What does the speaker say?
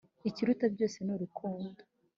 ikiruta byose ni urukundo